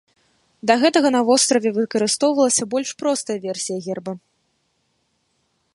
Да гэтага на востраве выкарыстоўвалася больш простая версія герба.